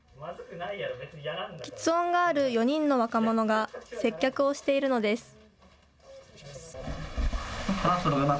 きつ音がある４人の若者が接客をしているのです。